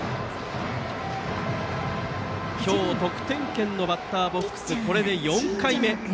今日、得点圏でのバッターボックスがこれで４回目。